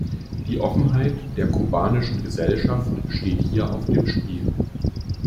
Die Offenheit der kubanischen Gesellschaft steht hier auf dem Spiel.